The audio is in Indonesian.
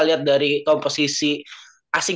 lihat dari komposisi asing